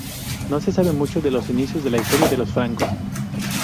No se sabe mucho de los inicios de la historia de los francos.